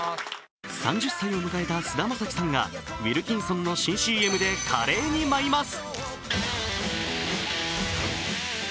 ３０歳を迎えた菅田将暉さんがウィルキンソンの新ＣＭで華麗に舞います。